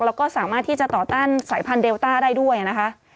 แล้วก็สามารถที่จะต่อต้านสายพันธุเดลต้าได้ด้วยนะคะ